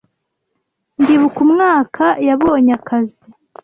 Ndibuka umwaka yabonye akazi.